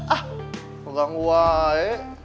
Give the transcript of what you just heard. ah bukan gua eh